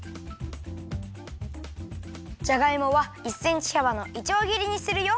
じゃがいもは１センチはばのいちょうぎりにするよ。